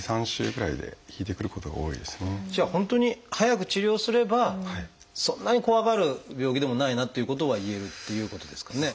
じゃあ本当に早く治療すればそんなに怖がる病気でもないなっていうことは言えるっていうことですかね？